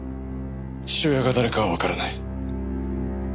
父親が誰かはわからない。